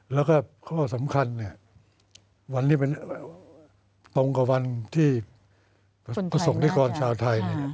แล้วก็ข้อสำคัญหวันนี้เสร็จตรงวันที่ประสบกระตุยกรชาวไทย